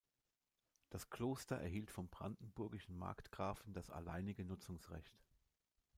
Das Kloster erhielt vom brandenburgischen Markgrafen das alleinige Nutzungsrecht.